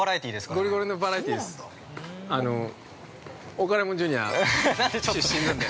◆オカレモンＪｒ．出身なんで。